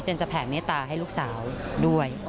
จะแผ่เมตตาให้ลูกสาวด้วย